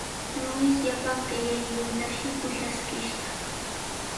Luis llapan qellaynintashi ushaskishqa.